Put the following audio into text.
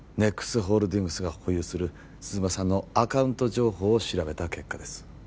ＮＥＸホールディングスが保有する鈴間さんのアカウント情報を調べた結果です